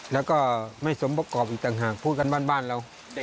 แล้วก็ไม่สมประกอบอีกต่างหากพูดกันบ้านเรา